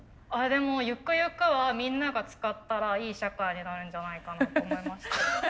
でもゆくゆくはみんなが使ったらいい社会になるんじゃないかなと思いました。